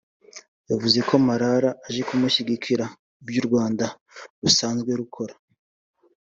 yavuze ko Malala aje gushyigikira ibyo u Rwanda rusanzwe rukora